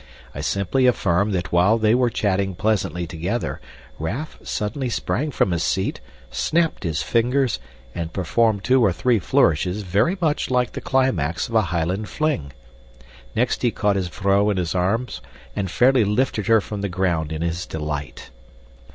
I simply affirm that while they were chatting pleasantly together Raff suddenly sprang from his seat, snapped his fingers, and performed two or three flourishes very much like the climax of a highland fling. Next he caught his vrouw in his arms and fairly lifted her from the ground in his delight.